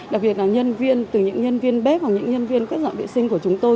đặc biệt là nhân viên từ những nhân viên bếp hoặc những nhân viên các dọn vệ sinh của chúng tôi